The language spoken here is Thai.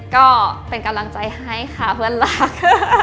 ก็เป็นกำลังใจให้ค่ะเพื่อนรัก